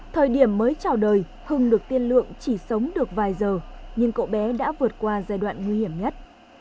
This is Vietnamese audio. thời điểm mới trào đời hưng được tiên lượng chỉ sống được vài giờ nhưng cậu bé đã vượt qua giai đoạn nguy hiểm nhất